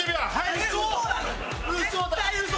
嘘！